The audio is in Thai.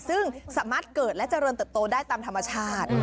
ซึ่งสามารถเกิดและเจริญเติบโตได้ตามธรรมชาติ